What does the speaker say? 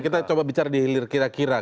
kita coba bicara di hilir kira kira